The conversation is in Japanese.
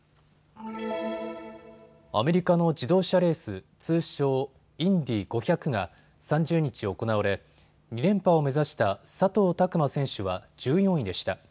アメリカの自動車レース、通称、インディ５００が３０日行われ、２連覇を目指した佐藤琢磨選手は１４位でした。